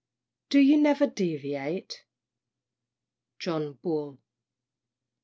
"Do you never deviate?" John Bull.